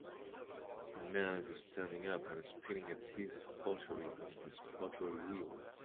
A man is standing up and spinning a piece of pottery on his pottery wheel.